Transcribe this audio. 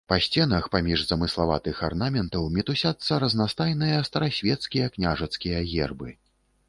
Па сценах, паміж замыславатых арнаментаў, мітусяцца разнастайныя старасвецкія княжацкія гербы.